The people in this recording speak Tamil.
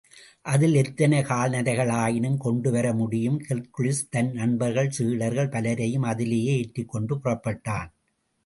அதில் எத்தனை கால்நடைகளாயினும் கொண்டுவர முடியும், ஹெர்க்குலிஸ் தன் நண்பர்கள், சீடர்கள் பலரையும் அதிலேயே ஏற்றிக் கொண்டு புறப்பட்டான்.